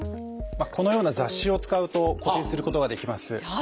このような雑誌を使うと固定することができます。